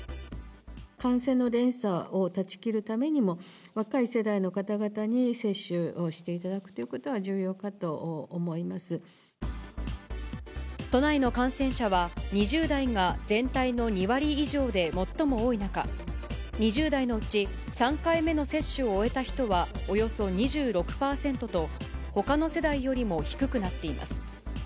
感染の連鎖を断ち切るためにも、若い世代の方々に接種をしていただくということは重要かと思都内の感染者は、２０代が全体の２割以上で最も多い中、２０代のうち３回目の接種を終えた人はおよそ２６％と、ほかの世代よりも低くなっています。